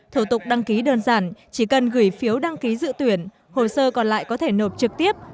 thổ tục đăng ký đơn giản chỉ cần gửi phiếu đăng ký dự tuyển hồ sơ còn lại có thể nộp trực tiếp